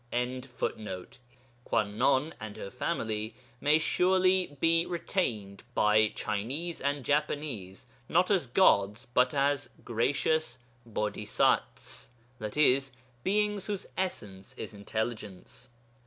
] Kwannon and her Father may surely be retained by Chinese and Japanese, not as gods, but as gracious bodhisatts (i.e. Beings whose essence is intelligence).